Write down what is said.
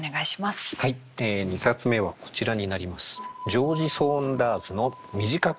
はい２冊目はこちらになります。